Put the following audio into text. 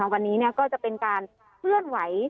วันนี้ก็จะเป็นการเคลื่อนไหว